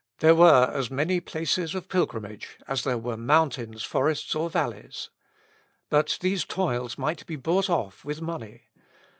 There were as many places of pilgrimage as there were mountains, forests, or valleys. But these toils might be bought off with money.